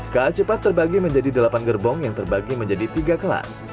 ka cepat terbagi menjadi delapan gerbong yang terbagi menjadi tiga kelas